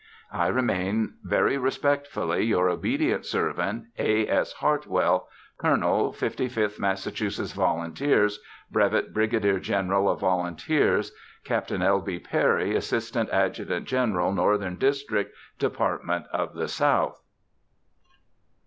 I remain, Very Respectfully, your obedient servant, A. S. Hartwell Col. Fifty fifth Massachusetts Volunteers, Bv't. Brig. Gen. of Vols. Capt. L. B. Perry, Asst. Adjt. Gen., Northern Dist., Department of the South.